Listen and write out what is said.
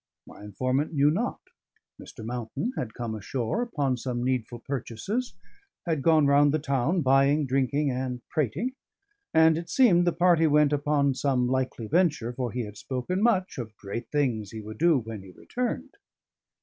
My informant knew not; Mr. Mountain had come ashore upon some needful purchases; had gone round the town buying, drinking, and prating; and it seemed the party went upon some likely venture, for he had spoken much of great things he would do when he returned.